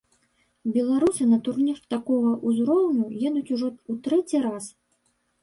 Беларусы на турнір такога ўзроўню едуць ужо ў трэці раз.